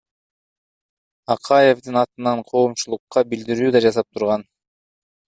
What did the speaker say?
Акаевдин атынан коомчулукка билдирүү да жасап турган.